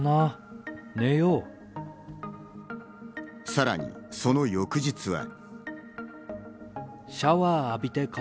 さらに、その翌日は。